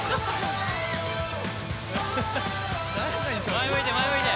前向いて前向いて。